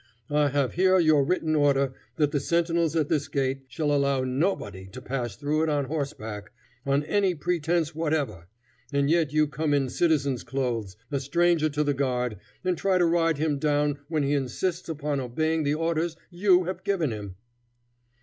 I have here your written order that the sentinels at this gate shall allow nobody to pass through it on horseback, on any pretense whatever; and yet you come in citizen's clothes, a stranger to the guard, and try to ride him down when he insists upon obeying the orders you have given him."